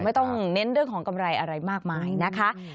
ไม่ต้องเน้นเรื่องของกำไรอะไรมากมายนะคะ